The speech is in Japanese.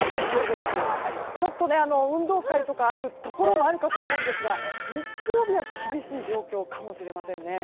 ちょっと運動会とかあるところもあると思いますが日曜日は厳しい状況かもしれませんね。